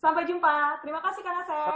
sampai jumpa terima kasih kang asep